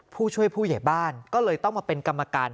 ผู้ช่วยผู้ใหญ่บ้านก็เลยต้องมาเป็นกรรมการ